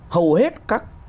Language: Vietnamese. hầu hết các